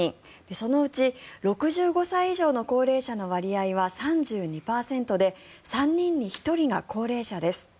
そのうち６５歳以上の高齢者の割合は３２％で３人に１人が高齢者です。